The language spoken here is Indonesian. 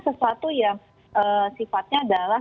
sesuatu yang sifatnya adalah